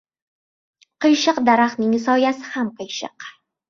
• Qiyshiq daraxtning soyasi ham qiyshiq.